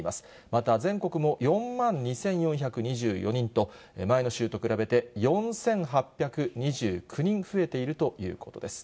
また全国の４万２４２４人と、前の週と比べて４８２９人増えているということです。